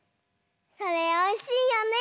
それおいしいよね。